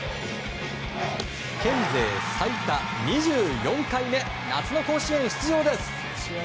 県勢最多２４回目夏の甲子園出場です。